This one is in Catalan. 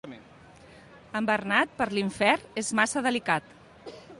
En Bernat, per l'infern és massa delicat.